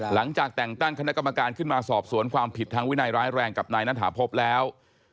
หลังจากแต่งตั้งคณะกรรมการขึ้นมาสอบสวนความผิดทางวินัยร้ายแรงกับนายณฐาพบแล้ว